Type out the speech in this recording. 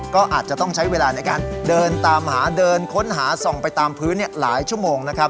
ก็อาจจะต้องใช้เวลาในการเดินตามหาเดินค้นหาส่องไปตามพื้นหลายชั่วโมงนะครับ